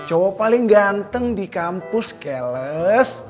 coba paling ganteng di kampus keles